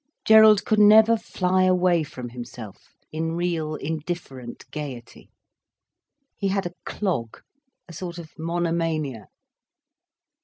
Gerald could never fly away from himself, in real indifferent gaiety. He had a clog, a sort of monomania.